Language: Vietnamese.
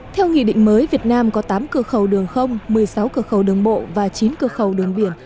theo nghị định mới việt nam có tám cửa khẩu đường không một mươi sáu cửa khẩu đường bộ và chín cửa khẩu đường biển